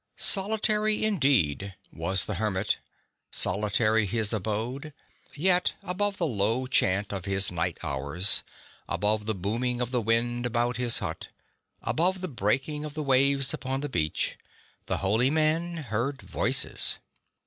Solitary indeed was the hermit, solitary his abode; yet above the low chant of his Night Hours, above the booming of the wind around his hut, above the breaking of the waves upon the beach, the holy man heard voices.